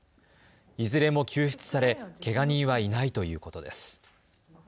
いずれも救出され、けが人はいないということです。